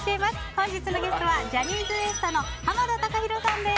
本日のゲストはジャニーズＷＥＳＴの濱田崇裕さんです。